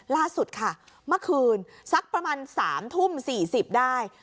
ล่าสุดค่ะเมื่อคืนสักประมาณ๓ทุ่ม๔๐ได้